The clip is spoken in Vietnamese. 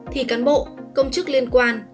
thì cán bộ công chức liên quan